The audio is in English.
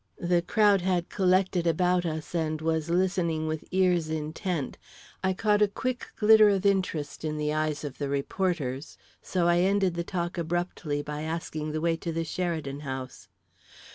The crowd had collected about us and was listening with ears intent; I caught a quick glitter of interest in the eyes of the reporters; so I ended the talk abruptly by asking the way to the Sheridan House.